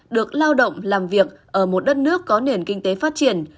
được lao động làm việc ở một đất nước có nền kinh tế phát triển